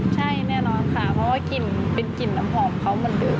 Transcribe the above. ใช่แน่นอนค่ะเพราะว่ากลิ่นเป็นกลิ่นน้ำหอมเขาเหมือนเดิม